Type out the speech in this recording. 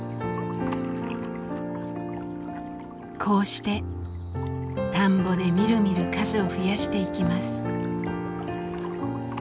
こうして田んぼでみるみる数を増やしていきます。